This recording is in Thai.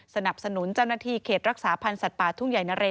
สนับสนุนเจ้าหน้าที่เขตรักษาพันธ์สัตว์ป่าทุ่งใหญ่นะเร